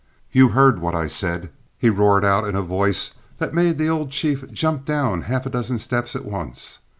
"You heard what I said," he roared out in a voice that made the old chief jump down half a dozen steps at once.